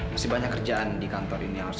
lu pasti akan bunuhpresiden pelaku ber pallade